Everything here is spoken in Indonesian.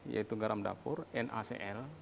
yaitu garam dapur nacl